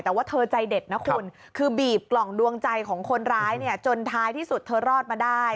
แต่ว่าเธอใจเด็ดนะคุณคือบีบกล่องดวงใจของคนร้ายเนี่ยจนท้ายที่สุดเธอรอดมาได้